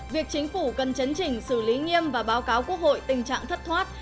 việc chính phủ cần chấn chỉnh xử lý nghiêm và báo cáo quốc hội tình trạng thất thoát